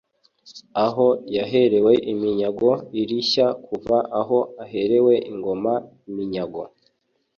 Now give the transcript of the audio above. aho yaherewe iminyago irishya: kuva aho aherewe ingoma iminyago